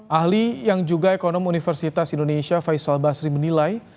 ahli yang juga ekonom universitas indonesia faisal basri menilai